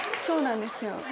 そうなんですよ。